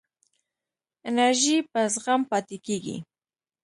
انرژی په زغم پاتې کېږي.